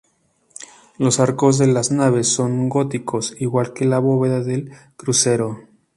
Los arcos de las naves son góticos, igual que la bóveda del crucero.